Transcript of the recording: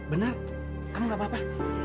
benar kamu gak apa apa